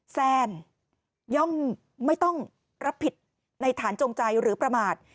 แซนย่อมไม่ต้องรับผิดในฐานจงใจหรือประมาท